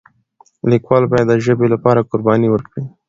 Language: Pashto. لیکوال باید د ژبې لپاره قرباني ورکړي.